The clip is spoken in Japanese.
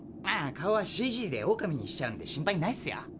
顔はＣＧでオオカミにしちゃうんで心配ないっすよ。